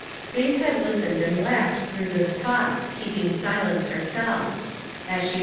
2G9 Faith had listened and laughed through tliia talk, keeping silence herself. As she brou.